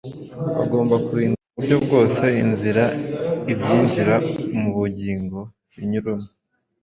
bagomba kurinda mu buryo bwose inzira ibyinjira mu bugingo binyuramo;